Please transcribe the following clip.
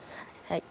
はい。